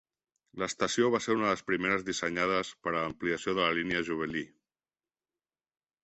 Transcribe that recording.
L'estació va ser una de les primeres dissenyades per a l'ampliació de la línia Jubilee.